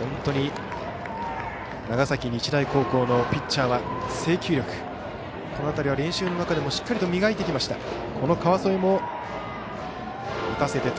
本当に長崎日大高校のピッチャーは制球力、この辺りは練習の中でもしっかり磨いてきました。